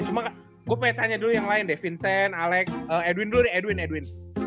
cuma gue pengen tanya dulu yang lain deh vincent alec edwin dulu deh edwin edwin